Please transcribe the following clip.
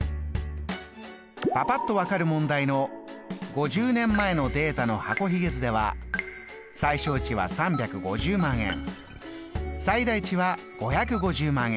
パパっと分かる問題の５０年前のデータの箱ひげ図では最小値は３５０万円最大値は５５０万円。